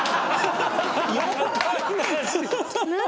何？